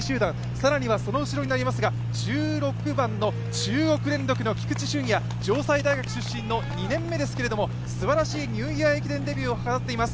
更にはその後ろになりますが、１６番の中国電力の菊地駿弥、城西大学出身の２年目ですけれどもすばらしいニューイヤー駅伝デビューをしています。